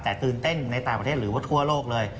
แต่ตื่นเต้นในต่างประเทศหรือว่าทั่วโลกเลย